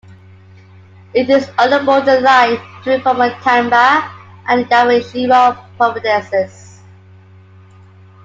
It is on the border line between former Tanba and Yamashiro providences.